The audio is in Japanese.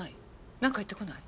なんか言ってこない？